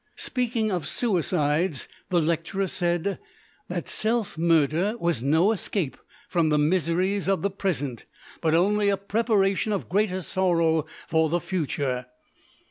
Speaking of suicides, the lecturer said that self murder was no escape from the miseries of the present, but only a preparation of greater sorrow for the future.